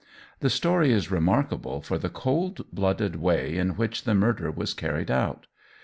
The story is remarkable for the cold blooded way in which the murder was carried out.